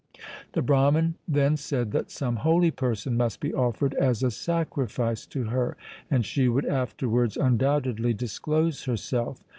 The Brahman then said that some holy person must be offered as a sacrifice to her, and she would afterwards un doubtedly disclose herself.